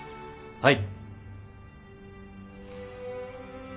はい。